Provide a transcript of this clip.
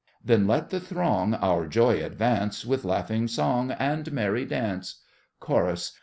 Then let the throng Our joy advance, With laughing song And merry dance, CHORUS.